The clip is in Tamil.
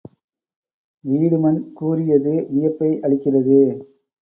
வீடுமன் கூறியது வியப்பை அளிக்கிறது.